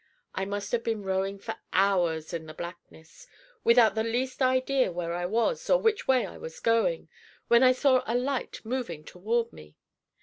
I must have been rowing for hours in the blackness, without the least idea where I was or which way I was going, when I saw a light moving toward me.